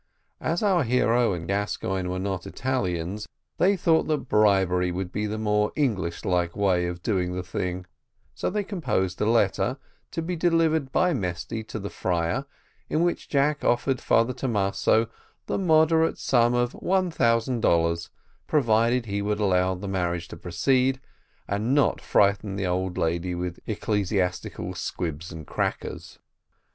As our hero and Gascoigne were not Italians, they thought that bribery would be the more English like way of doing the thing; so they composed a letter, to be delivered by Mesty to the friar, in which Jack offered to Father Thomaso the moderate sum of one thousand dollars, provided he would allow the marriage to proceed, and not frighten the old lady with ecclesiastical squibs and crackers.